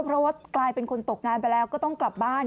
เพราะว่ากลายเป็นคนตกงานไปแล้วก็ต้องกลับบ้าน